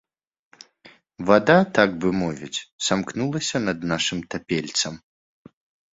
Вада, так бы мовіць, самкнулася над нашым тапельцам.